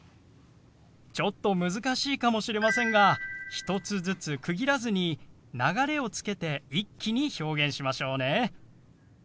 ちょっと難しいかもしれませんが１つずつ区切らずに流れをつけて一気に表現しましょうね。